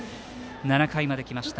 ７回まできました。